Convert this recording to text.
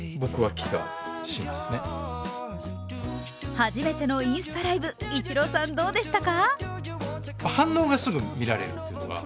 初めてのインスタライブ、イチローさん、どうでしたか？